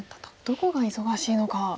どこが忙しいのか。